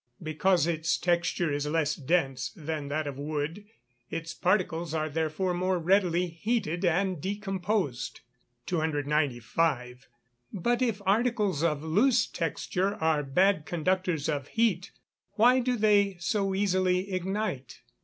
_ Because its texture is less dense than that of wood; its particles are therefore more readily heated and decomposed. 295. _But if articles of loose texture are bad conductors of heat, why do they so easily ignite?